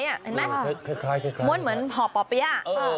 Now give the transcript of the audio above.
เห็นไหมม้วนเหมือนหอปปี้ย่า